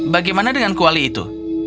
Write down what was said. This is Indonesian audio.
bagaimana dengan kuali itu